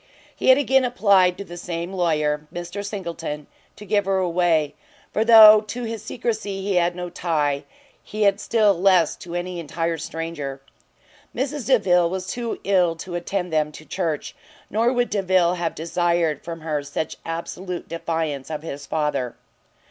He had again applied to the same lawyer, Mr Singleton, to give her away; for though to his secrecy he had no tie, he had still less to any entire stranger. Mrs Delvile was too ill to attend them to church, nor would Delvile have desired from her such absolute defiance of his father.